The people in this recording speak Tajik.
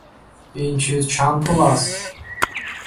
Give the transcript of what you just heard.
Ин чиз чанд пул аст?